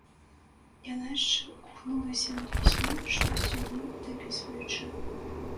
Яна яшчэ ўгнулася над пісьмом, штосьці ў ім дапісваючы.